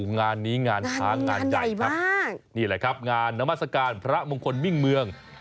งานนี้งานช้างงานใหญ่ครับนี่แหละครับงานนามัศกาลพระมงคลมิ่งเมือง